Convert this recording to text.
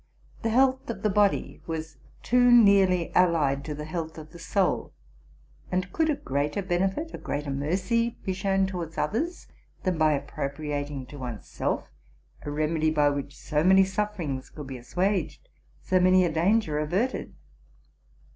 The health of the body was too nearly allied to the health of the soul; and could a greater benefit, a greater mercy, be shown towards others than by appropriating to one's self a remedy by which so many sufferings could be assuaged, so Many a danger averted?